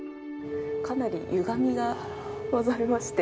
かなりゆがみがございまして。